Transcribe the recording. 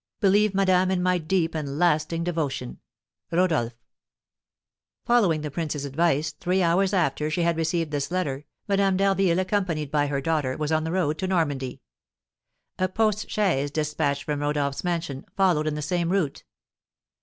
"Believe, madame, in my deep and lasting devotion, "RODOLPH." Following the prince's advice, three hours after she had received this letter, Madame d'Harville, accompanied by her daughter, was on the road to Normandy. A post chaise, despatched from Rodolph's mansion, followed in the same route.